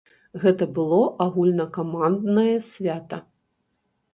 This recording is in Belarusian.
Гэта было агульнакаманднае свята.